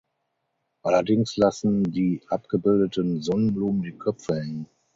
Allerdings lassen die abgebildeten Sonnenblumen die Köpfe hängen.